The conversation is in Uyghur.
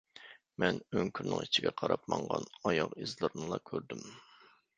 مەن ئۆڭكۈرنىڭ ئىچىگە قاراپ ماڭغان ئاياغ ئىزلىرىنىلا كۆردۈم